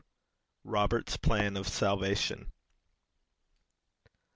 ROBERT'S PLAN OF SALVATION.